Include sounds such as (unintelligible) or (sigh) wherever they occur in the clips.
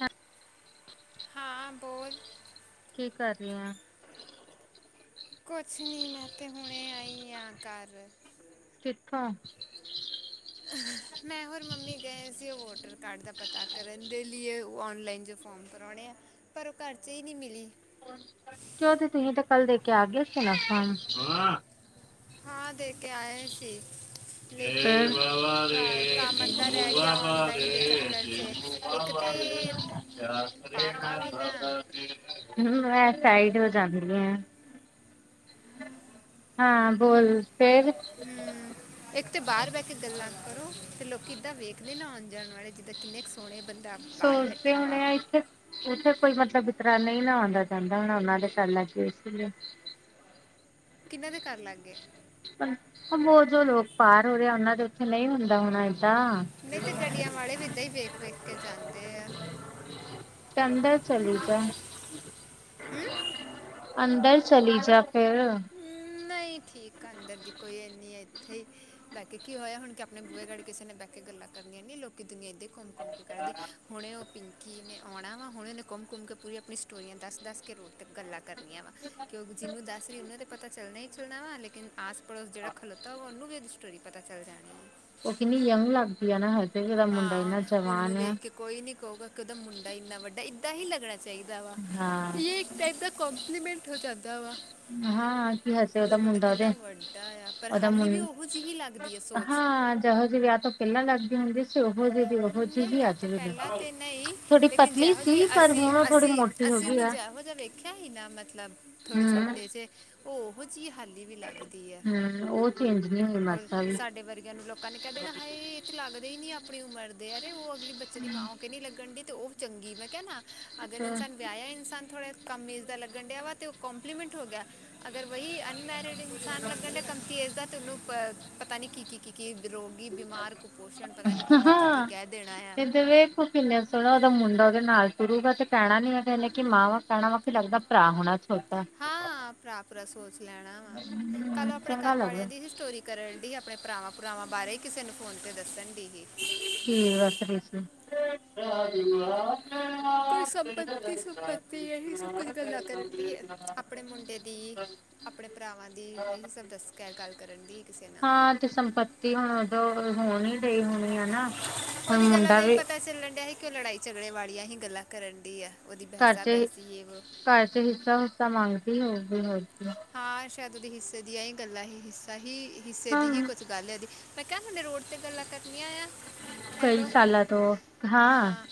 ਹਾਂ, ਹਾਂ ਬੋਲ, ਕੀ ਕਰ ਰਹੇ ਹਾ, ਕੁਛ ਨੀ ਮੈਂ ਤੇ ਹੁਣੇ ਆਈ ਹਾਂ ਘਰ ਕਿੱਥੋਂ (unintelligible) ਅ (inaudible) ਮੈਂ ਹੋਰ ਮੰਮੀ ਗਏ ਸੀ ਉਹ ਵੋਟਰ ਕਾਰਡ ਦਾ ਪਤਾ ਕਰਨ ਦੇ ਲਈ ਉਹ ਔਨਲਾਈਨ ਜੋ ਫੋਰਮ ਭਰਾਣੇ ਆ ਪਰ ਉਹ ਘਰ ਚ ਹੀ ਨਹੀਂ ਮਿਲੀ ਅੱਛਾ (inaudible) ਕਿਉ ਤੇ ਤੁਸੀਂ ਤੇ ਕੱਲ ਦੇ ਕੇ ਆ ਗਏ ਹਾਂ ਦੇ ਕੇ ਆਏ ਸੀ (unintelligible) ਹ ਲੇਕਿਨ ਕਾ- ਕੰਮ ਅੱਧਾ ਰਹਿ ਗਿਆ ਆਨਲਾਈਨ ਦੇ ਚੱਕਰ 'ਚ ਇੱਕ ਤੇ ਪਾਪਾ ਵੀ ਨਾ ਮੈਂ ਸਾਈਡ ਹੋ ਜਾਂਦੀ ਆ (unintelligible) ਹਾਂ ਬੋਲ ਫੇਿਰ ਹਮ ਇੱਕ ਤੇ ਬਾਹਰ ਬਹਿ ਕੇ ਗੱਲਾਂ ਕਰੋ ਤੇ ਲੋਕੀ ਦਾਂ ਵੇਖਦੇ ਨਾ ਆਉਣ ਜਾਣ ਵਾਲੇ ਜਿੱਦਾਂ ਕਿੰਨੇ ਕੁ ਸੋਹਣੇ ਬੰਦਾ ਬਾਹਰ ਸੋਚਦੇ ਬੈਠਾ ਵਾ ਹੋਣੇ ਆ ਇੱਥੇ ਉੱਥੇ ਕੋਈ ਮਤਲਬ ਵਿਤਰਾ ਨਹੀਂ ਨਾ ਆਉਂਦਾ ਜਾਂਦਾ ਹ ਉਹ ਦੇ ਪਾਂ ਪੈਲਾ ਕੇ ਸੀ ਕਿਨਾਂ ਦੇ ਕਰ ਲੱਗ ਗਏ। ਜੋ ਲੋਕ ਪਾਰ ਹੋ ਰਹੇ ਆ ਉਹਨਾਂ ਦੇ ਉੱਥੇ ਨਹੀਂ ਹੁੰਦੇ। ਨਹੀਂ ਤੇ ਗੱਡੀਆਂ ਵਾਲੇ ਵੀ ਏਦਾਂ ਹੀ ਵੇਖ ਵੇਖ ਕੇ ਜਾਂਦੇ ਆ ਅੰਦਰ ਚਲੀ ਜਾ, ਹੂੰ ਅੰਦਰ ਚਲੀ ਜਾ ਫੇਰ, ਨਹੀਂ ਠੀਕ ਅੰਦਰ ਦੀ ਕੋਈ ਹੈਨੀ ਹੈ। ਹੀ ਬਹਿ ਕੇ ਕੀ ਹੋਇਆ ਹੁਣ ਕਿ ਆਪਣੇ ਬੂਹੇਗੜੀ ਕਿਸੇ ਨੇ ਬਹਿ ਕੇ ਗੱਲਾਂ ਕਰਨੀਆਂ ਨਹੀਂ ਲੋਕ ਦੁਨੀਆ ਇੱਦਾਂ ਘੁੰਮਕੁੰਮ ਕਰਦੀ, ਹੁਣੇ ਉਹ ਪਿੰਕੀ ਨੇ ਆਉਣਾ ਵਾ ਹੁਣੇ ਉਹਨੇ ਘੁੰਮ ਘੁੰਮ ਕੇ ਪੂਰੀ ਆਪਣੀ ਸਟੋਰੀਆਂ ਦੱਸ ਦੱਸ ਕੇ ਰੋੜ ਤੱਕ ਗੱਲਾਂ ਕਰਨੀਆਂ ਵਾ ਕਿਉਂਕ ਜਿਹਨੂੰ ਦੱਸ ਫ ਉਹਨ ਤਾਂ ਪਤਾ ਚੱਲਣਾ ਹੀ ਚੱਲਣਾ ਵਾ ਲੇਕਿਨ ਆਸ ਪੜੋਸ, ਜਿਹੜਾ ਖਲੋਤਾ ਵਾ ਉਹਨੂੰ ਵੀ ਇਹਦੀ ਸਟੋਰੀ ਪਤਾ ਚੱਲ ਜਾਣੀ ਹੈ। ਉਹ ਕਿੰਨੀ ਯੰਗ ਲੱਗਦੀ ਆ, ਨਾ ਹੁੰਦਾ ਮੁੰਡਾ ਹਾਂ ਇੰਨਾ ਉਹਨੂੰ ਜਵਾਨ ਆ। ਵੇਖ ਕੇ ਕੋਈ ਨੀ ਕਹੂਗਾ ਇੱਕਦਾ ਮੁੰਡਾ ਇੰਨਾ ਵੱਡਾ ਏਦਾਂ ਹੀ ਲੱਗਣਾ ਚਾਹੀਦਾ ਵਾ ਹਾਂ ਇਹ ਇੱਕ ਤਾਂ ਏਦਾਂ'- ਕੰਪਲੀਮੈਂਟ ਹੋ ਜਾਂਦਾ ਵਾ, ਹਾਂ ਕੀ ਹਜੇ ਓਦਾ ਉਹਦਾ ਮੁੰਡਾ ਕਿੰਨਾ ਉਹਦੇ ਵੱਡਾ ਆ ਪਰ ਉਹਦਾ ਮੁੰ ਹਾਲੀ ਵੀ ਉਹੋ ਜਿਹੀ ਲੱਗਦੀ ਹੈ ਸੋਚ ਜੇ ਜੀਵਿਆਹ ਤੋਂ ਪਹਿਲਾਂ ਲੱਗਦੀ ਹੁੰਦੀ ਸੀ। ਉਹੋ ਜਿਹੀ ਵੀ ਉਹੋ ਜਿਹੀ ਨਹੀਂ ਵੀ ਵਿਆਹ ਅੱਜ ਤੋਂ ਵੀ ਪਹਿਲਾਂ ਤੇ ਨਹੀਂ ਥੋੜੀ ਲੇਕਿਨ ਪਤਲੀ ਜਿਹੋ ਜਿਹੀ ਸੀ ਪਰ ਅਸੀਂ ਹੁਣ ਥੋੜੀ ਅਸੀਂ ਮੋ ਅਸੀਂ ਉਨੂੰ ਜਿਹੋ ਜਿਹਾ ਵੇਖਿਆ ਹੀ, ਨਾ ਮਤਲਬ ਥੋੜੇ ਹਮ ਛੋਟੇ ਜਿਹੇ, ਉਹੋ ਜਿਹੀ ਹਾਲੀ ਵੀ ਲੱਗਦੀ ਹੈ। ਹਮ ਉਹ ਚੇਂਜ ਨਹੀਂ ਹੋਈ ਹੋਰ ਮਾਸਾ ਵੀ ਸਾਡੇ ਵਰਗਿਆਂ ਨੂੰ ਲੋਕਾਂ ਨੇ ਕਹਿ ਦੇਣਾ ਹਾਏ। ਤੇ ਲੱਗਦੇ ਹੀ ਨੀ ਆਪਣੀ ਉਮਰ ਦੇ ਯਰੇ ਉਹ ਅਗਲੀ ਬੱਚੇ ਦੀ ਮਾਂ ਹੋ ਕੇ ਨੀ ਲੱਗਣ ਡ ਤੇ ਉਹ ਚੰਗੀ ਮੈਂ ਕਹਿਣਾ ਅਗਰ ਇਨਸਾਨ ਵਿਆਹ ਹੈ, ਇਨ ਸਾ ਨ ਥੋੜ੍ਹਾ ਕਮ ਏਜ਼ ਦਾ ਲੱਗਣ ਡਿਆ ਵ ਤਾਂ ਉਹ ਕੋਂਪਲੀਮੈਂਟ ਹੋ ਗਿਆ। ਅਗਰ ਵਹੀ ਅਨਮੈਰਿਡ ਇਨਸਾਨ ਲੱਗਣ ਡ ਕਮਤੀ ਏਜ ਦਾ ਤੇ ਉਹਨੂੰ ਪਤਾ ਨੀ ਕੀ ਕੀ ਕੀ, ਰੋਗੀ ਬਿਮਾਰ ਕੁਪੋਸ਼ਣ ਪਤਾ ਨਹੀਂ ਕੀਤੀ। ਕਿਧਰੇ, ਉਹ ਕਿੰਨੇ ਸੋਹਣਾ ਉਹਦਾ ਮੁੰਡਾ ਉਹਦੇ ਨਾਲ ਤੁਰੂਗਾ ਤੇ ਕਹਿਣਾ, ਨੀ ਇਨੇ ਕਿ ਮਾਂ ਵਾਂ ਕਹਿਣਾ ਵਾ ਕੀ ਲੱਗਦਾ। ਭਰਾ ਹੋਣਾ ਛੋਟਾ, ਹਾਂ ਭਰਾ ਪੂਰਾ ਸੋਚ ਲੈਣਾ ਵਾ ਕੱਲ ਆਪਣੇ ਚੰਗਾ ਘਰ ਲੱਗਦਾ ਵਾਲਿਆਂ ਦੀ ਹਿਸਟੋਰੀ ਕਰਨ ਡੀ ਹੀ ਆਪਣੇ ਭਰਾਵਾਂ ਭੁਰਾਵਾਂ ਬਾਰੇ ਕਿਸੇ ਨੂੰ ਫ਼ੋਨ ਤੇ ਦੱਸਣ ਡੀ ਹੀ (unintelligible) ਕੋਈ ਸੰਪਤੀ ਸੰਪਤੀ ਇਹੀ ਸਭ ਕੁਝ ਗੱਲਾਂ ਕਰਨ ਦੀ ਹੈ ਆਪਣੇ ਮੁੰਡੇ ਦੀ ਆਪਣੇ ਭਰਾਵਾਂ ਦੀ ਇਹੀ ਸਭ ਦੱਸ ਹੈ ਗੱਲ ਕਰਨ ਦੀ ਹੀ ਕਿਸੇ ਨਾਲ ਤੀ ਹੁਣ ਉਦੋਂ ਹੋਣ ਹੀ ਗਈ ਹੋਣੀ ਆ ਨਾ ਹੁਣ ਉਹਦੀ ਗੱਲਾਂ ਮੁੰਡਾ ਤੋਂ ਹੀ ਵੀ ਪਤਾ ਚੱਲਣ ਡਿਆ ਸੀ ਕਿਉਂ ਲੜਾਈ ਝਗੜੇ ਵਾਲੀਆਂ ਹੀ ਗੱਲਾਂ ਕਰਨ ਡੀ ਆ ਉਹਦੀ ਘਰ ਬਹਿਸਾ ਚ ਬਹਿਸੀ ਇਹ ਵੋ ਘਰ ਚ ਹਿੱਸਾ ਹੁਸਾ ਮੰਗਦੀ ਹੋਗੀ ਹੋਰ ਕੀ ਹਾਂ ਸ਼ਾਇਦ ਉਹਦੇ ਹਿੱਸੇ ਦੀਆਂ ਹੀ ਗੱਲਾਂ ਹੀ ਹਿੱਸਾ ਹੀ ਹਿੱਸੇ ਹਾਂ ਦੀ ਹੀ ਕੁਛ ਗੱਲ ਹੈਦੀ ਮੈਂ ਕਿਹਆ ਹੁਣ ਰੋਡ ਤੇ ਗੱਲਾਂ ਕਰਨੀਆਂ ਆ ਕਈ ਹੈਲੋ ਸਾਲਾਂ ਤੋਂ ਹਾਂ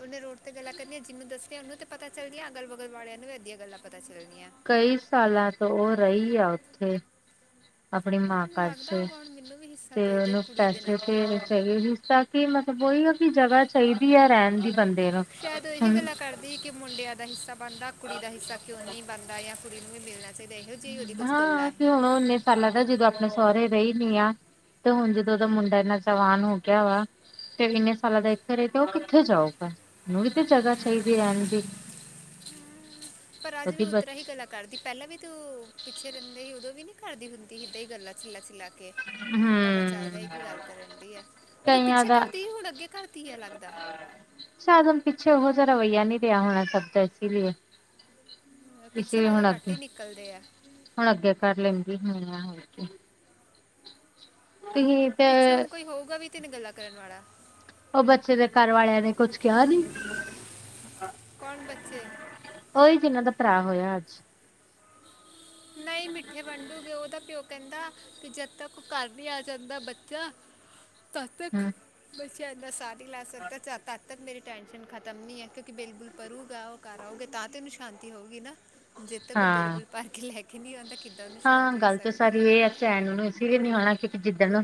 ਉਹਨੇ ਰੋਡ 'ਤੇ ਗੱਲਾਂ ਕਰਨੀਆਂ ਜਿਹਨੂੰ ਦੱਸੀਆਂ, ਉਹਨੂੰ ਤਾਂ ਪਤਾ ਚੱਲਦੀਆਂ, ਅਗਲ ਬਗਲ ਵਾਲਿਆਂ ਨੂੰ ਵੀ ਅੱਧੀਆਂ ਗੱਲਾਂ ਪਤਾ ਚੱਲਦੀਆਂ। ਕਈ ਸਾਲਾਂ ਤੋਂ ਉਹ ਰਹੀ ਆ ਉੱਥੇ ਆਪਣੀ ਹਾਂ ਮਾਂ ਉਹਨੂੰ ਲੱਗਦਾ ਕਰਕੇ ਹੋਗਾ ਹੁਣ ਮੈਨੂੰ ਵੀ ਹਿੱਸਾ ਤੇ ਦੇ ਦੇ ਉਹਨੂੰ ਕੁੜੀ ਦੇ ਪੈਸੇ ਨਾਂ ਤੇ ਜਿਸ ਤਰਾ ਕਿ ਮਤਲਬ ਉਹੀ ਹੈ ਵੀ ਜਗ੍ਹਾ ਚਾਹੀਦੀ ਹੈ, ਰਹਿਣ ਦੀ ਬੰਦੇ ਨੂੰ ਸ਼ਾਇਦ ਇਹਹੀ ਹੁਣ ਗੱਲਾਂ ਕਰਦੀ ਕਿ ਮੁੰਡਿਆਂ ਦਾ ਹਿੱਸਾ ਬਣਦਾ, ਕੁੜੀ ਦਾ ਹਿੱਸਾ ਕਿਉਂ ਨਹੀਂ ਬਣਦਾ ਜਾਂ ਕੁੜੀ ਨੂੰ ਵੀ ਮਿਲਦਾ। ਹਾਂ ਤੇ ਹੁਣ ਓਨੇ, ਪ ਲੱਗਦਾ ਜਦੋਂ ਆਪਣੇ ਸਹੁਰੇ ਰਹੀ ਨੀ ਆ, ਤੇ ਹੁਣ ਜਦੋਂ ਉਹਦਾ ਮੁੰਡਾ ਇਨਾ ਜਵਾਨ ਹੋ ਗਿਆ ਵਾ। ਤੇ ਇੰਨੇ ਸਾਲਾਂ ਦਾ ਇੱਥੇ ਰਹੇ ਉਹ ਕਿੱਥੇ ਜਾਓਗਾ। ਨੂੰ ਵੀ ਤਾਂ ਜਗ੍ਹਾ ਚਾਹੀਦੀ ਰੈਣ ਦੀ, ਪਰ ਅੱਜ ਵੀ ਉਹਦੀ ਉਤਰਾ ਹੀ ਬੱਚੀ ਗਲਾ ਕਰਦੀ, ਪਹਿਲਾਂ ਵੀ ਤੂੰ ਪਿੱਛੇ ਰੈਂਦੇ ਸੀ ਉਦੋਂ ਵੀ ਨੀ ਕਰਦੀ ਹੁੰਦੀ ਸੀਦਾਂ ਹੀ ਗੱਲਾਂ ਛਿੱਲਾ ਛਿਲ ਕੇ, ਪਤਾ ਚੱਲਦਾ ਹਮ ਹੀ ਕੀ ਗੱਲ ਕਰਨ ਦੀ ਹੈ, ਉਦੋਂ ਕਈਆਂ ਪਿੱਛੇ ਦਾ ਘਰਦੀ ਹੀ ਹੁਣ ਅੱਗੇ ਘਰਦੀ ਹੈ ਲੱਗਦਾ। ਸ਼ਾਇਦ ਹੁਣ ਪਿੱਛੇ ਉਹੋ ਜਿਹਾ ਰਵੱਈਆ ਨਹੀਂ ਰਿਹਾ ਹੋਣਾ ਸਭਦਾ ਇਸ ਲਈ ਪਿੱਛੇ ਲੱਗਦਾ ਹੁਣ ਕੱਟ ਅੱਗੇ ਹੀ ਨਿਕਲਦੇ ਹੈ। ਹੁਣ ਅੱਗੇ ਕਰ ਲੈਂਦੀ ਹੁਣ ਆ ਹੋ ਕੇ, ਤੁਸੀਂ ਪਿੱਛੇ ਤੇ ਹੁਣ ਕੋਈ ਹੋਊਗਾ ਵੀ ਤੈਨੀ ਗੱਲਾਂ ਕਰਨ ਵਾਲਾ ਉਹ ਬੱਚੇ ਦੇ ਘਰ ਵਾਲਿਆਂ ਨੇ ਕੁਛ ਕਿਹਾ ਨੀ ਕੌਣ ਬੱਚੇ ਓਹੀ ਜਿਨਾਂ ਦਾ ਭਰਾ ਹੋਇਆ ਅੱਜ ਨਹੀਂ ਮਿੱਠੇ ਵੰਡੂਗੇ ਉਹਦਾ ਪਿਓ ਕਹਿੰਦਾ ਕੀ ਓ ਜਦ ਤੱਕ ਉਹ ਘਰ ਨੀ ਆ ਜਾਂਦਾ ਬੱਚਾ ਤਦ ਤੱਕ ਹੂੰ ਬੱਚੇ ਅੰਦਰ ਸਾਹ ਨਹੀਂ ਲੈ ਸਕਦੇ ਜਦ ਤਕ ਤੱਕ ਮੇਰੀ ਟੈਨਸ਼ਨ ਖਤਮ ਨੀ ਹੈ ਕਿਉਂਕਿ ਬਿਲਬੁਲ ਪਰੂਗਾ ਉਹ ਕਰ ਆਉਗੇ ਤਾਂ ਤੇ ਉਨੂੰ ਸ਼ਾਂਤੀ ਹੋਊਗੀ ਨਾ ਜਦ ਤੱਕ ਉਹ ਹਾਂ ਬਿਲਬੁਲ ਭਰ ਕੇ ਲੈ ਕੇ ਨਹੀਂ ਆਂਦਾ ਕਿੱਦਾਂ ਉਹਨੂੰ ਸ਼ਾਂਤੀ ਹੋ ਸਕਦੀ ਹੈ ਭੈਣ ਨੂੰ ਅਸੀ ਵੀ ਨ ਓਣਾ ਕਿਉੰਕਿ ਜਿੱਦਣ ਨੂੰ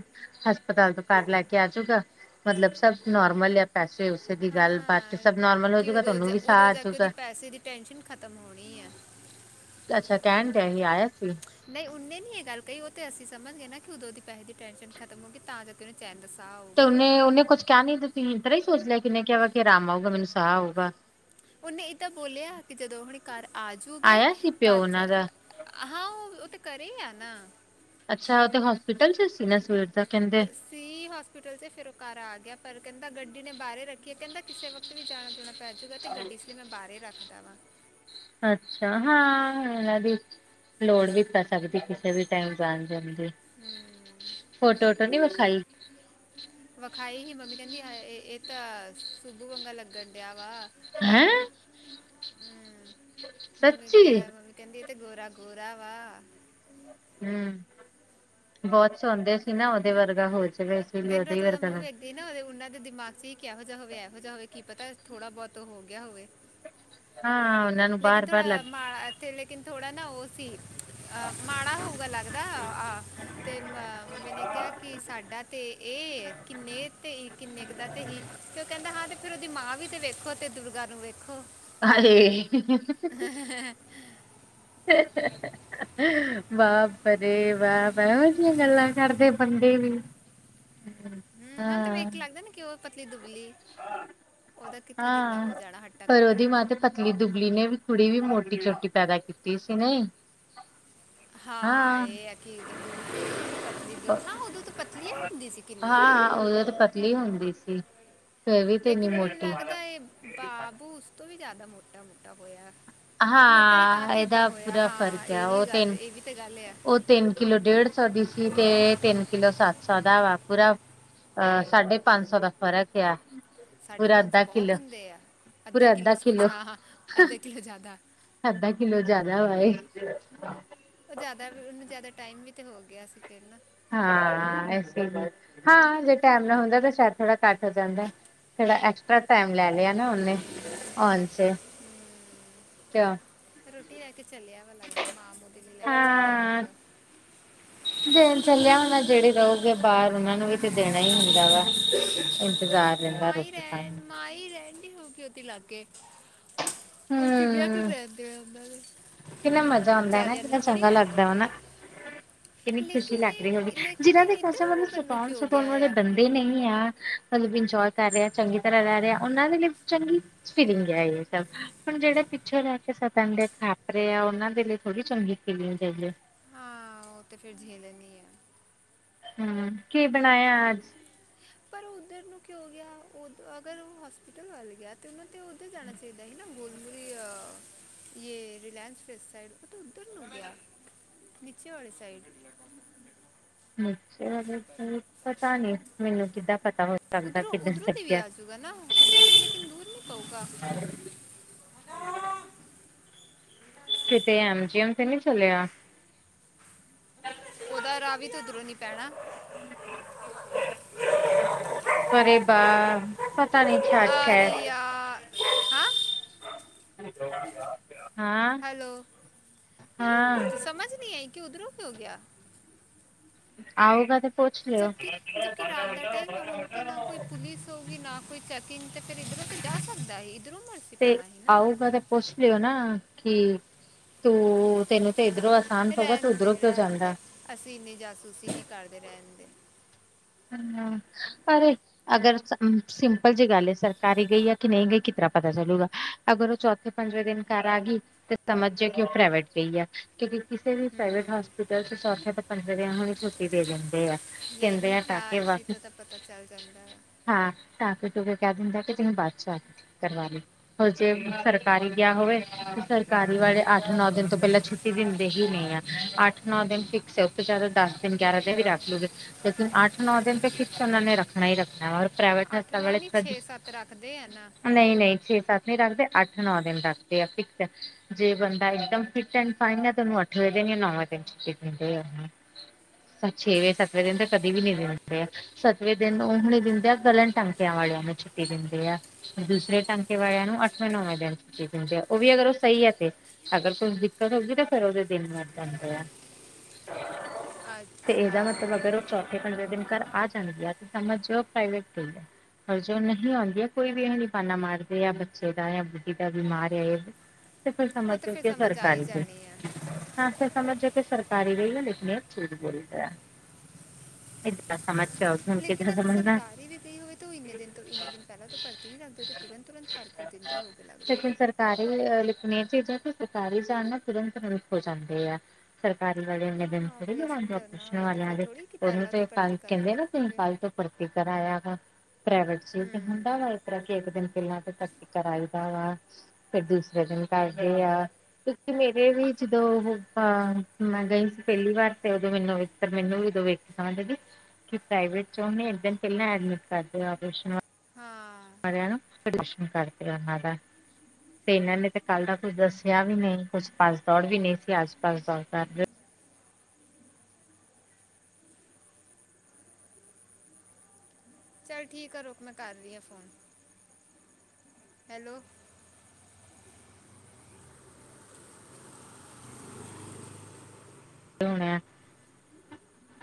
ਹਸਪਤਾਲ ਤੋਂ ਘਰ ਲੈ ਕੇ ਆਜੂਗਾ ਮਤਲਬ ਸਭ ਨੋਰਮਲ ਜਾਂ ਪੈਸੇ ਦੀ ਗੱਲ ਬਾਤ ਹਾਂ ਸਬ ਨੋਰਮਲ ਕਿ ਹੋਜੂਗਾ, ਉਦੋਂ ਤੁਹਾਨੂੰ ਜਾ- ਵੀ ਸਾਹ ਉਦੋਂ ਜਾ ਕੇ ਉਹਦੀ ਆਜੂਗਾ। ਪੈਸੇ ਦੀ ਟੈਨਸ਼ਨ ਖਤਮ ਹੋਣੀ ਹੈ ਅੱਛਾ, ਕਹਿਣ ਦੇ ਹੀ ਆਇਆ ਸੀ। ਨਹੀਂ ਉਹਨੇ ਨੀ ਇਹ ਗੱਲ ਕਹੀ ਉਹ ਤੇ ਅਸੀਂ ਸਮਝ ਗਏ, ਨਾ ਕਿ ਉਦੋਂ ਦੀ ਪੈਸੇ ਦੀ ਟੈਨਸ਼ਨ ਖਤਮ ਹੋ ਗਈ ਤਾਂ ਕਰਕੇ ਕਿਥੇ ਚੈਨ ਦਾ ਸਾਹ ਆਓ ਤੇ ਉਹਨੇ-ਉਹਨੇ ਕੁਛ ਕਿਹਾ ਨੀ ਤੇ ਤੁਹੀ ਇਕਰਾ ਹੀ ਸੋਚ ਲਿਆ ਕਿ, ਉਹਨੇ ਕਿਹਾ ਵਾ ਕਿ ਮੈਨੂੰ ਆਰਾਮ ਆਊਗਾ, ਸਾਹ ਆਊਗਾ। ਉਹਨੇ ਇਹ ਤਾਂ ਬੋਲਿਆ, ਕਿ ਜਦੋਂ ਹੁਣ ਘਰ ਆਜੂਗੇ ਆਇਆ ਸੀ ਪਿਓ ਤਾਂ ਜ ਉਹਨਾਂ ਦਾ ਹਾਂ ਉਹ-ਉਹ ਤਾਂ ਘਰੇ ਆ ਨਾ ਅੱਛਾ ਓ ਤਾਂ ਹੋਸਪੀਟਲ ਚ ਸੀ ਨਾ ਸਵੇਰ ਦਾ ਕਹਿੰਦੇ। ਸੀ ਹੋਸਪਿਟਲ ਤੇ ਫੇਰ ਉਹ ਘਰ ਆ ਗਿਆ, ਪਰ ਕਹਿੰਦਾ ਗੱਡੀ ਨੇ ਬਾਹਰ ਰੱਖੀਏ ਕਹਿੰਦਾ, ਕਿਸੇ ਵਕਤ ਵੀ ਜਾਨਾ-ਜੁਨਾ ਪੈ ਜੂਗਾ। ਅਤੇ ਗੱਡੀ ਇਸ ਲਈ ਮੈਂ ਬਾਹਰ ਹੀ ਰੱਖਦਾ ਵਾਂ। ਅੱਛਾ, ਹਾਂ ਏਨਾ ਦੀ ਲੋੜ ਵੀ ਪੈ ਸਕਦੀ ਐ, ਕਿਸੇ ਵੀ ਟਾਈਮ ਜਾਨ-ਜੁਨ ਦੀ ਫੋਟੋ (unintelligible) ਨੀ ਵਸਾਈ ਵਿਖਾਈ ਹੀ ਮੰਮੀ ਕਹਿੰਦੀ ਇਹ ਤਾਂ ਸੂਬੂ ਵੰਗਾ ਲੱਗਣ ਡਿਆ ਵਾ, ਹੈਂ। ਮੰਮੀ ਸੱਚੀ ਅਹ ਮੰਮੀ ਕਹਿੰਦੀ ਇਹ ਤੇ ਗੋਰਾ-ਗੋਰਾ ਵਾ। ਹੂੰ ਬਹੁਤ ਚਾਹੁੰਦੇ ਸੀ, ਨਾ ਉਹਦੇ ਵਰਗਾ ਹੋ ਜਾਵੇ। ਲਈ ਦਿਨ ਉਹਦੇ ਰਾਤ ਉਹਦਾ ਵਰਗਾ ਮੂੰਹ ਲੱਗ ਵੇਖਦੀ ਨਾ ਉਹਨਾਂ ਦੇ ਦਿਮਾਗ ਚ ਇਹ ਕਿਹੋ ਜਿਹਾ ਹੋਵੇ, ਇਹੋ ਜਿਹਾ ਹੋਵੇ ਕੀ ਪਤਾ ਥੋੜਾ ਬਹੁਤ। ਤੋਂ ਹੋ ਗਿਆ ਹੋਵੇ। ਹਾਂ ਹੁਣ। ਲੇਕਿਨ ਥੋੜਾ ਮਾ ਇੱਥੇ ਲੇਕਿਨ ਥੋੜਾ ਨਾ ਉਹ ਸੀ। ਅਹ ਮਾੜਾ ਹੋਊਗਾ, ਲੱਗਦਾ ਆਹ ਤੇ ਮ ਮੰਮੀ ਨੇ ਕਿਹਾ, ਕਿ ਸਾਡਾ ਤੇ ਇਹ ਕਿੰਨੇ ਤੇ ਕਿੰਨੇ ਕੁ ਦਾ ਤੇ ਹੀ ਤੇ ਉਹ ਕਹਿੰਦਾ, ਹਾਂ ਤੇ ਫੇਰ ਉਹਦੀ ਮਾਂ ਵੀ ਤੇ ਵੇਖੋ ਤੇ ਦੁਰਗਾ ਨੂੰ ਵੇਖੋ ਹਾਏ, (inaudible) (inaudible) ਵਾਪ ਰੇ ਵਾਪ ਇਹੋ ਜਿਹੀਆਂ ਗੱਲਾਂ ਕਰਦੇ ਬੰਦੇ ਵੀ (unintelligible) ਹੂੰ ਹਾਂ ਤੇ ਵੇਖ ਕੇ ਲੱਗਦਾ ਨੀ, ਕਿ ਉਹ ਪਤਲੀ ਦੁਬਲੀ ਉਹਦਾ ਕਿੱਥੋਂ ਦਿਨਾ ਹਾਂ ਹੋ ਜਾਣਾ ਪਰ ਹੱਟਾ-ਕੱਟਾ ਉਹਦੀ ਮਾਂ ਤੇ ਪਤਲੀ ਦੁਬਲੀ ਨੇ ਵੀ ਕੁੜੀ ਵੀ ਮੋਟੀ ਚੋਟੀ ਪੈਦਾ ਕੀਤੀ ਸੀ, ਨਹੀਂ ਹਾਂ ਇਹ ਆ ਕਿ ਉਦੋਂ ਤੂੰ ਪਤਲੀ ਹਾਂ ਉਦੋਂ ਤਾਂ ਪਤਲੀ ਹੁੰਦੀ ਸੀ, ਕਿੰਨੀ ਹਾਂ ਉਦੋਂ ਤੇ ਪਤਲੀ ਹੁੰਦੀ ਸੀ। ਫੇਰ ਵੀ ਤੇ ਇੰਨੀ ਲੇਕਿਨ ਮੈਨੂੰ ਮੋਟੀ ਲੱਗਦਾ, ਬਾਬੁ ਉਸ ਤੋਂ ਵੀ ਜ਼ਿਆਦਾ ਮੋਟਾ-ਮੋਟਾ ਹੋਇਆ ਮੋਟਾ ਹੀ ਤਾਂ ਹਾਂ ਤੇ ਇਦਾਂ ਇਹਦਾ ਹੋਇਆ ਪੂਰਾ ਹਾਂ ਫ਼ਰਕ ਆ ਇਹੀ ਉਹ ਤੇ ਗੱਲ ਇਹ ਵੀ ਤੇ ਗੱਲ ਆ ਤਿੰਨ ਕਿਲੋ ਡੇਢ ਸੌ ਦੀ ਸੀ ਤੇ ਤਿੰਨ ਕਿਲੋ ਸੱਤ ਸੌ ਦਾ ਵਾ ਪੂਰਾ ਅਹ ਸਾਢੇ ਪੰਜ ਸੌ ਦਾ ਫ਼ਰਕ ਆ। ਸਾਢੇ ਪੂਰਾ ਪੰਜ ਸੌ ਅੱਧਾ ਬਹੁਤ ਕਿੱਲੋ ਹੁੰਦੇ ਆ, ਅੱਧਾ ਕਿੱਲੋ ਸੋਚ ਹਾਂ ਹਾਂ ਅੱਧਾ ਕਿੱਲੋ ਅੱਧਾ ਕਿੱਲੋ ਜਿਆਦਾ ਹੋਏ। ਉਹ ਜ਼ਿਆਦਾ ਵੀ ਉਹਨੂੰ ਜ਼ਿਆਦਾ ਟਾਈਮ ਵੀ ਤੇ ਹੋ ਗਿਆ ਸੀ ਪਹਿਲਾਂ। ਹਾਂ ਇੱਥੇ ਬਸ ਹਾਂ ਜੇ ਟਾਈਮ ਨਾ ਹੁੰਦਾ, ਤਾਂ ਸ਼ਾਇਦ ਥੋੜ੍ਹਾ ਘੱਟ ਹੋ ਜਾਂਦਾ। ਥੋੜਾ ਐਕਸਟਰਾ ਟਾਈਮ ਲੈ ਲਿਆ ਨਾ, ਉਹਨੇ ਆਣ 'ਚ। ਚਾਅ। ਰੋਟੀ ਲੈ ਕੇ ਚੱਲਿਆ, ਵਾ ਲੱਗਦਾ ਮਾਂ ਨੂੰ ਖਿਚੜੀ ਲੈ ਕੇ ਚੱਲਿਆ ਹਾਂ ਹੋਊਗਾ। ਦੇਣ ਚੱਲਿਆ ਹੋਣਾ, ਜਿਹੜੇ ਰਹੋਗੇ ਬਾਹਰ ਉਹਨਾਂ ਨੂੰ ਵੀ ਤੇ ਦੇਣਾ ਹੀ ਹੁੰਦਾ ਵਾ ਇੰਤਜ਼ਾਰ। ਜਿੰਨਾ ਰੋਟੀ ਖਾਣੀ। ਆਈ ਰਿਹੇ ਨੇ ਇੱਥੇ ਹੀ ਲਾਂਗੇ। ਹੁਣ ਕਿ ਵਿਆਹ ਕੁਛ ਹੂੰ ਰਹਿਣ ਦੇ ਇਹਨਾਂ ਦੇ ਕਿੰਨਾ ਮਜ਼ਾ ਆਉਂਦਾ ਨਾ ਜ਼ਿਆਦਿਆਂ ਨੂੰ ਕਿੰਨਾ ਥੋੜ੍ਹੀ ਚੰਗਾ ਰਹਿਣ ਲੱਗਦਾ ਵਾ ਦਿਓਗੇ। ਨਾ। ਕਿੰਨੀ ਖੁਸ਼ੀ ਲੱਗ ਰਹੀ ਹੋਗੀ, ਲੇਕਿਨ ਜਿਨਾਂ ਇਹ ਦੇ ਫਸੇ ਇੱਧਰ ਵਾਲੇ ਮਤਲਬ ਬੰਨੂ ਸਤਾਣ ਕਿਉਂ ਸਤਾਉਣ ਗਿਆ ਵਾਲੇ ਆ ਬੰਦੇ ਨਹੀਂ ਆ ਮਤਲਬ ਇੰਜੋਏ ਕਰ ਰਿਹਾ, ਚੰਗੀ ਤਰ੍ਹਾਂ ਰਹਿ ਰਿਹਾ, ਉਹਨਾਂ ਦੇ ਲਈ ਚੰਗੀ ਕੁਛ ਫੀਲਿੰਗ ਐ ਇਹ ਸਭ। ਹੁਣ ਜਿਹੜੇ ਪਿੱਛੋਂ ਰਹਿ ਕੇ ਸਤਨ ਦੇ ਖਾਪਰੇ ਆ, ਉਹਨਾਂ ਦੇ ਲਈ ਥੋੜੀ ਚੰਗੀ ਫੀਲਿੰਗ ਏ। ਹਾਂ, ਉਹ ਤੇ ਫਿਰ ਦੇ ਦੇਣੀ ਏ। ਹੂੰ, ਕੀ ਬਣਾਇਆ ਅੱਜ। ਪਰ ਉੱਧਰ ਨੂੰ ਕਿਉਂ ਗਿਆ ਉਹ, ਅਗਰ ਹੋਸਪਿਟਲ ਵੱਲ ਗਿਆ, ਤੇ ਉਹਨਾਂ ਤੇ ਉੱਧਰ ਜਾਣਾ ਚਾਹੀਦਾ ਸੀ ਨਾ। ਉਦਰੀ ਆ ਜੇ ਰਲਾਇੰਸ ਵੈਬ ਸਾਈਡ, ਉਹ ਤਾਂ ਉੱਧਰ ਨੂੰ ਗਿਆ। ਨੀਚੇ ਵਾਲੀ ਸਾਈਡ। ਨੀਚੇ ਵਾਲੀ ਸਾਈਡ, ਪਤਾ ਨੀ ਮੈਨੂੰ ਕਿੱਦਾਂ ਪਤਾ ਹੋਵੇ। ਉਧਰੋਂ-ਉਧਰੋਂ ਦੀ ਵੀ ਆਜੂਗਾ ਨਾ, ਉਧਰੋਂ ਲੇਕਿਨ ਦੂਰ ਨੀ ਪਊਗਾ। ਕਿਤੇ ਐਮਜੀ ਐਮ ਤੇ ਨਈ ਚਲਿਆ। ਉਹਦਾ ਰਾਹ ਵੀ ਤੇ ਦੂਰੋਂ ਨੀ ਪੈਣਾ। ਅਰੇ ਵਾ ਪਤਾ ਨਹੀਂ ਛਾਟ ਆ ਖੈ ਰਹੀ ਆ ਹਾਂ (unintelligible) ਹੈਲੋ, ਹਾਂ ਮੈਨੂੰ ਸਮਝ ਨੀ ਆਈ, ਕਿ ਉੱਧਰੋਂ ਕਿਉਂ ਗਿਆ। ਆਊਗਾ ਤੇ ਪੁੱਛ ਲਿਓ। ਜਦਕਿ ਜਦਕਿ ਰਾਤ ਦਾ ਟਾਈਮ ਹੁਣ ਤੇ ਨਾ ਕੋਈ ਪੁਲਿਸ ਹੋਊਗੀ, ਨਾ ਕੋਈ ਚੈਕਿੰਗ ਤੇ ਫਿਰ ਇੱਧਰੋਂ ਤੇ ਜਾ ਸਕਦਾ ਏ, ਇੱਧਰੋਂ ਮਰ ਤੇ ਆਊਗਾ ਤੇ ਪੁੱਛ ਲਿਓ ਨਾ, ਕਿ ਤੂੰ ਤੈਨੂੰ ਤੇ ਇੱਧਰੋਂ ਅਸ ਰਹਿਣਦੇ, -ਰਹਿਣਦੇ, ਅਸੀਂ ਇੰਨੀ ਜਾਸੂਸੀ ਨੀ ਕਰਦੇ ਰਹਿਣ ਦੇ। (inaudible) ਅਰੇ ਅਗਰ ਸਿੰਪਲ ਜੀ ਗੱਲ ਐ, ਸਰਕਾਰੀ ਗਈ ਐ ਕਿ ਨਹੀਂ ਗਈ ਕਿਤਰਾਂ ਪਤਾ ਚੱਲੂਗਾ। ਅਗਰ ਉਹ ਚੌਥੇ ਪੰਜਵੇਂ ਦਿਨ ਘਰ ਆ ਗਈ, ਤੇ ਸਮਝ ਜੇ ਕਿ ਉਹ ਪ੍ਰਾਈਵੇਟ ਗਈ ਐ, ਕਿਉਂਕਿ ਕਿਸੇ ਵੀ ਹੂੰ ਪ੍ਰਾਈਵੇਟ ਹੋਸਪਿਟਲ ਚ ਚੌਥੇ ਤੋਂ ਪੰਜਵੇਂ ਦਿਨ ਹੁਣ ਛੁੱਟੀ ਦੇ ਦਿੰਦੇ ਆ। ਕਹਿੰਦੇ ਯਹੀ ਆ ਤਾ ਇਸੀ ਤੋਂ ਤਾਂ ਪਤਾ ਚੱਲ ਜਾਂਦਾ ਵਾ। ਹਾਂ, ਟਾਂਕੇ ਟੂੰਕੇ ਕਹਿ ਦਿੰਦਾ ਕਿ ਤੁਸੀਂ ਬਾਅਦ ਚ ਆ ਕੇ ਕਰਵਾ ਲੀ। ਔਰ ਜੇ ਸਰਕਾਰੀ ਗਿਆ ਹੋਵੇ, ਤੇ ਸਰਕਾਰੀ ਵਾਲੇ ਅੱਠ ਨੌਂ ਦਿਨ ਤੋਂ ਪਹਿਲਾਂ ਛੁੱ ਛੁੱਟੀ ਦਿੰਦੇ ਹੀ ਨਹੀਂ ਆ, ਅੱਠ ਨੌ ਦਿਨ ਫਿਕਸ ਐ, ਉਥੇ ਤਾਂ ਜ਼ਿਆਦਾ ਦਸ ਦਿਨ, ਗਿਆਰਾਂ ਦਿਨ ਵੀ ਰੱਖ ਲੂਗੇ। ਲੇਕਿਨ ਅੱਠ ਨੌ ਦਿਨ ਤੇ ਫਿਕਸ ਉਹਨਾ ਨੇ ਰੱਖਣਾ ਹੀ ਰੱਖਣਾ ਐ, ਔਰ ਪ੍ਰਾਈਵੇਟ ਅੱਠ ਨਾ ਨੀ, ਛੇ ਸੱਤ ਰੱਖਦੇ ਆ ਨਾ। ਨਹੀਂ-ਨਹੀਂ ਛੇ ਸੱਤ ਨਹੀ ਰੱਖਦੇ, ਅੱਠ ਨੌਂ ਦਿਨ ਰੱਖਦੇ ਆ ਫਿਕਸ ਐ। ਜੇ ਬੰਦਾ ਇਕਦਮ ਫਿੱਟ ਐਡ ਫਾਈਨ, ਤਾਂ ਉਹਨੂੰ ਅੱਠਵੇਂ ਦਿਨ ਜਾਂ ਨੌਵੇਂ ਦਿਨ ਛੁੱਟੀ ਦਿੰਦੇ ਆਂ। ਔਰ ਛੇਵੇਂ ਸੱਤਵੇਂ ਦਿਨ ਤਾਂ ਕਦੇ ਵੀ ਨੀ। ਦਿੰਦੇ ਆਂ ਸੱਤਵੇਂ ਦਿਨ ਉਹ ਹੁਣੀ ਦਿੰਦੇ ਆ, ਇੱਕਲੇ ਟਾਂਕਿਆਂ ਵਾਲਿਆਂ ਨੂੰ ਛੁੱਟੀ ਦਿੰਦੇ ਆ। ਦੂਸਰੇ ਟਾਂਕੇ ਵਾਲਿਆਂ ਨੂੰ ਅੱਠਵੇਂ ਨੌਵੇਂ ਦਿਨ ਛੁੱਟੀ ਦਿੰਦੇ ਆ, ਉਹ ਵੀ ਅਗਰ ਉਹ ਸਹੀ ਐ ਤੇ। ਅਗਰ ਕੋਈ ਦਿੱਕਤ ਹੋਊਗੀ, ਤਾਂ ਫੇਰ ਉਹਦੇ ਦਿਨ ਵੱਧ ਜਾਂਦੇ ਆ। ਤੇ ਅੱਛਾ ਇਹਦਾ ਮਤਲਬ ਅਗਰ ਉਹ ਚੌਥੇ ਪੰਜਵੇਂ ਦਿਨ ਘਰ ਆ ਜਾਂਦੀ ਆ, ਤੇ ਸਮਝ ਲਓ ਪ੍ਰਾਈਵੇਟ ਗਈ ਐ। ਅਗਰ ਜੋ ਨਹੀਂ ਆਂਦੀ ਐ, ਕੋਈ ਵੀ ਇਹ ਨੀ ਬਾਨਾ ਮਾਰਦੇ ਆ, ਬੱਚੇ ਦਾ ਜਾਂ ਬੁੱਢੀ ਦਾ ਬਿਮਾਰ ਏ ਤੇ ਫਿਰ ਉਹ ਸਮਝ ਤਾਂ ਲੋ ਫਿਰ ਕਿ ਸਮਝ ਆ ਹੀ ਸਰਕਾਰੀ ਗਈ। ਜਾਣੀ ਆ ਤਾਂ ਫਿਰ ਸਮਝ ਜੋ ਕੇ ਸਰਕਾਰੀ ਗਈ ਐ, ਲੇਕਿਨ ਇਹ ਝੂਠ ਬੋਲਦਾ। ਤਾਂ ਸਮਝ ਜਾਓ। ਲੇਕਿਨ ਅਗਰ ਸਰਕਾਰੀ ਵੀ ਗਈ ਹੋਵੇ, ਤਾਂ ਉਹ ਇੰਨੇ ਦਿਨ ਤੋਂ ਇੰਨੇ ਦਿਨ ਪਹਿਲਾਂ ਤੋਂ ਭਰਤੀ ਨਈ ਕਰਦੇ, ਉਹ ਤੇ ਤੁਰੰਤ-ਤੁਰੰਤ ਕਰ ਕੁ ਦਿੰਦੇ ਹੋ ਕੇ ਲੱਗਦਾ। ਲੇਕਿਨ ਸਰਕਾਰੀ ਲੇਕਨ ਚੀਜ਼ਾਂ ਤੇ ਸਰਕਾਰੀ ਜਾਣ ਨਾਲ ਤੁਰੰਤ (inaudible) ਹੋ ਜਾਂਦੇ ਐ। ਸਰਕਾਰੀ ਵਾਲੇ ਇੰਨੇ ਦਿਨ ਹਾਂ ਥੋੜੀ ਆਪਰੇਸ਼ਨ ਲਵਾਂਦੇ ਆ, ਕਰਨਾ ਪੁੱਛਣ ਹੋਵੇ ਤੇ ਵਾਲਿਆਂ ਫਿਰ ਦੇ ਥੋੜੀ ਕਿ ਉਹਨੂੰ ਪਹਿਲਾਂ ਤੋਂ ਤੇ ਭਰਤੀ ਟਾਈਮ ਕਰਕੇ ਕਹਿੰਦੇ ਨਾ ਤਿੰਨ ਰੱਖੋਗੇ ਸਾਲ ਤੋਂ ਭਰਤੀ ਕਰਾਇਆ ਵਾ, ਪ੍ਰਾਈਵੇਟ ਚ ਇਹ ਤੇ ਹੁੰਦਾ ਵਾ। ਹੂੰ ਕਿਉਂਕਿ ਇੱਕ ਦਿਨ ਪਹਿਲਾਂ ਤਾਂ ਭਰਤੀ ਕਰਾਈ ਦਾ ਵਾ, ਫੇਰ ਦੂਸਰੇ ਦਿਨ ਕਰਦੇ ਆ। ਕਿਉਂਕਿ ਮੇਰੇ ਵੀ ਜਦੋਂ ਉਹ ਮੈਂ ਗਈ ਸੀ ਪਹਿਲੀ ਵਾਰ, ਤੇ ਉਦੋਂ ਮੈਨੂੰ ਵੀ ਮੈਨੂੰ ਉਦੋਂ ਵੇਖ ਕੇ ਸਮਝਦੇ, ਕਿ ਪ੍ਰਾਈਵੇਟ ਚ ਉਹਨੇ ਇੱਕ ਦਿਨ ਪਹਿਲਾਂ ਐਡਮਿਟ ਕਰਦੇ ਆ ਓਪਰੇਸ਼ਨ ਵਾਸ ਹਾਂ। ਪ੍ਰਦਰਸ਼ਨ ਕਰਦੇ ਉਹਨਾਂ ਦਾ। ਤੇ ਇਹਨਾਂ ਨੇ ਤੇ ਕੱਲ ਦਾ ਕੁੱਝ ਦੱਸਿਆ ਵੀ ਨਹੀਂ ਕੁਛ ਭਜ ਦੌੜ ਵੀ ਨਹੀਂ ਸੀ ਆਸ ਪਾਸ ਦੌੜਦਾ ਚੱਲ ਠੀਕ ਹੈ ਰੁਕ ਮੈਂ ਕਰ ਰਹੀ ਆਂ ਫੋਨ। ਹੈਲੋ। (unintelligible) ਹਣ (unintelligible)